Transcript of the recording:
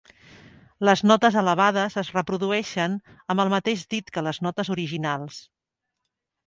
Les notes elevades es reprodueixen amb el mateix dit que les notes originals.